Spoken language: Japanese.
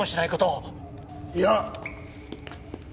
いや！